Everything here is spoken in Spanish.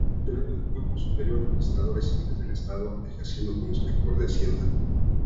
Funcionario del Cuerpo Superior de Administradores Civiles del Estado, ejerciendo como inspector de Hacienda.